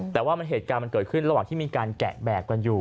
แต่ว่าเหตุการณ์มันเกิดขึ้นระหว่างที่มีการแกะแบบกันอยู่